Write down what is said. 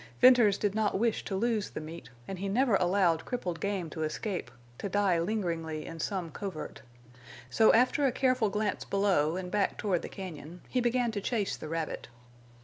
Venters did not wish to lose the meat, and he never allowed crippled game to escape, to die lingeringly in some covert. So after a careful glance below, and back toward the cañon, he began to chase the rabbit.